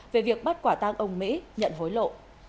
về việc bắt quả tang ông mỹ nhận hối lộ